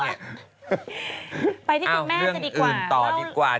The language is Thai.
เอาน่าวเรื่องอื่นต่อดีกว่า